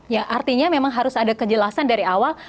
ya artinya memang harus ada kejelasan dari awal